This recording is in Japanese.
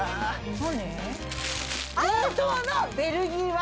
何？